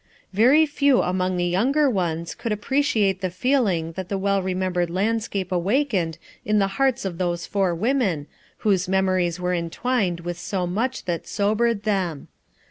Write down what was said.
Very few among the younger ones could ap preciate the feeling that the well remembered 58 FOUR MOTHERS AT CHAUTAUQUA landscape awakened in the hearts of those four women whose memories were entwined with so much that sobered them.